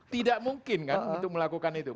tidak mungkin kan untuk melakukan itu